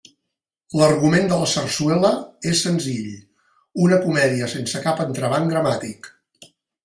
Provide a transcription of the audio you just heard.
L'argument de la sarsuela és senzill, una comèdia sense cap entrebanc dramàtic.